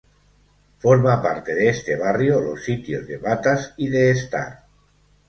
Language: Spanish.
Forma parte de este barrio los sitios de Batas y de Estar.